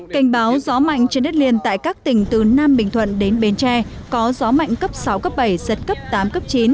cảnh báo gió mạnh trên đất liền tại các tỉnh từ nam bình thuận đến bến tre có gió mạnh cấp sáu cấp bảy giật cấp tám cấp chín